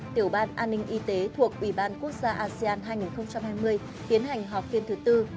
tiểu ban an ninh y tế thuộc ủy ban quốc gia asean hai nghìn hai mươi tiến hành họp phiên thứ tư